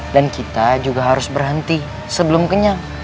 dan kita juga harus berhenti sebelum kenyang